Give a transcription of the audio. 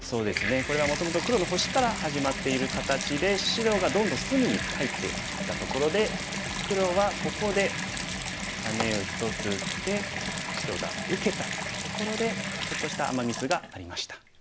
これはもともと黒の星から始まっている形で白がどんどん隅に入っていったところで黒はここでハネを１つ打って白が受けたところでちょっとしたアマ・ミスがありました。